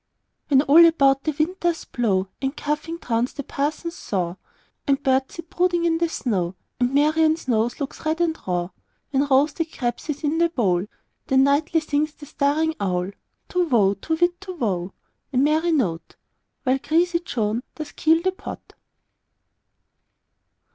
When all about the wind doth blow, And coughing drowns the parson's saw, And birds sit brooding in the snow, And Marian's nose looks red and raw; When roasted crabs hiss in the bowl—Then nightly sings the staring owlTu whoo! To whit, Tu whoo! A merry note! While greasy Joan doth keel the pot.